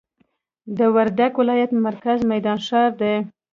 د وردګ ولایت مرکز میدان ښار دي.